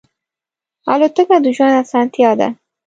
الوتکه د ژوند آسانتیا ده.